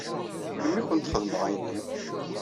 Melmi i kent-xedmeɣ ayenni?